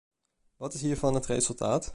Wat is hiervan het resultaat?